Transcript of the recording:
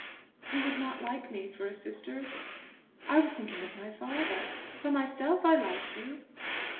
"You would not like me for a sister?" "I was thinking of my father. For myself I like you."